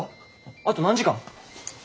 あと何時間？